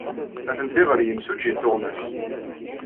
Atenti ɣer yimsujji n tuɣmas.